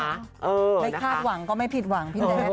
ไม่คาดหวังก็ไม่ผิดหวังพี่แจ๊ค